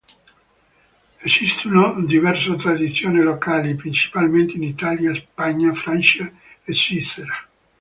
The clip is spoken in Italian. Esistono diverse tradizioni locali, principalmente in Italia, Spagna, Francia e Svizzera.